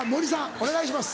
お願いします。